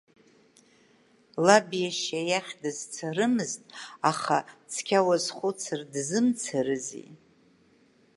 Лаб иашьа иахь дызцарымызт, аха, цқьа уазхәыцыр дзымцарызи.